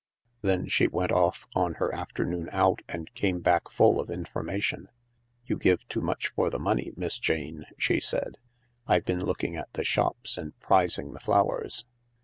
Then she went off on her afternoon out and came back full of information. " You give too much for the money, Miss Jane," she said. " I bin looking at the shops and prizing the flowers.